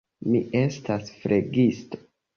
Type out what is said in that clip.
Mi estas flegisto.